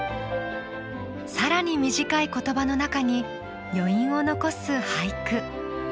更に短い言葉の中に余韻を残す俳句。